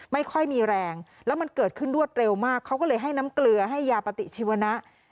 ไม่ค่อยมีแรงแล้วมันเกิดขึ้นรวดเร็วมากเขาก็เลยให้น้ำเกลือให้ยาปฏิชีวนะ